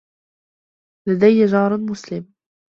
لديّ جار مسلم.